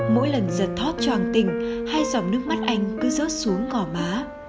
mỗi lần giật thoát choàng tình hai giọng nước mắt anh cứ rớt xuống ngỏ má